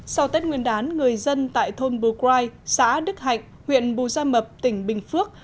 sau tết nguyên đán người dân tại thôn bù quai xã đức hạnh huyện bù gia mập tỉnh bình phước